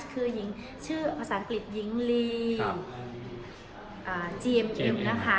คือชื่อภาษาอังกฤษหญิงลีจีมนะคะ